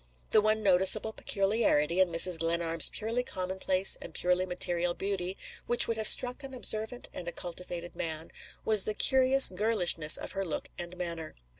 The one noticeable peculiarity in Mrs. Glenarm's purely commonplace and purely material beauty, which would have struck an observant and a cultivated man, was the curious girlishness of her look and manner.